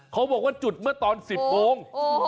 เขาบอกว่าจุดเมื่อตอน๑๐โมง